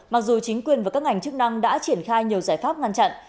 mặc dù chính quyền và các ngành chức năng đã triển khai nhiều giải pháp ngăn chặn